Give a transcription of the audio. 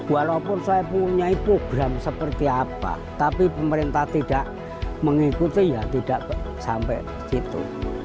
walaupun saya punya program seperti apa tapi pemerintah tidak mengikuti ya tidak sampai situ